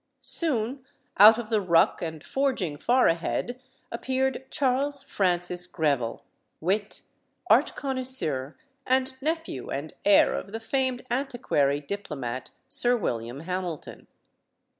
Soon, out of the ruck and forging far ahead, ap peared Charles Francis Greville, wit, art connoisseur, and nephew and heir of the famed antiquary diplomat, Sir William Hamilton.